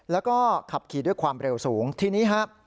แล้วก็ขับขี่ด้วยความเร็วสูงทีนี้ครับ